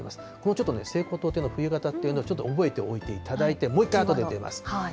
ちょっとね、西高東低の冬型というのをちょっと覚えておいていただいて、もう一回あとで出ます。